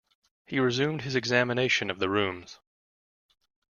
He resumed his examination of the rooms.